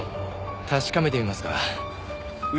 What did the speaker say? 確かめてみますか。